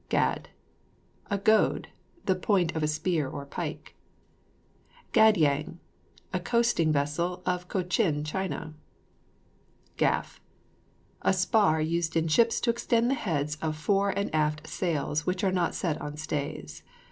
GAD. A goad; the point of a spear or pike. GAD YANG. A coasting vessel of Cochin China. GAFF. A spar used in ships to extend the heads of fore and aft sails which are not set on stays.